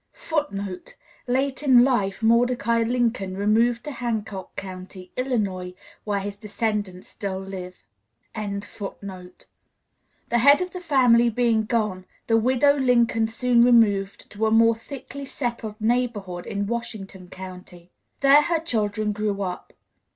[Footnote: Late in life Mordecai Lincoln removed to Hancock County, Illinois, where his descendants still live.] [Illustration: FAC SIMILE OF THE MARRIAGE BOND OF THOMAS LINCOLN.] The head of the family being gone, the widow Lincoln soon removed to a more thickly settled neighborhood in Washington County. There her children grew up.